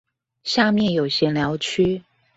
下面有閒聊區